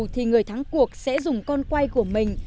thì người thắng cuộc sẽ dùng con quay của mình